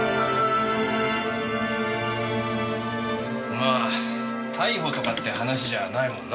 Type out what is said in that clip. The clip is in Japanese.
まあ逮捕とかって話じゃないもんな。